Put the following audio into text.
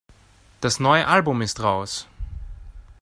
Das neue Album ist raus.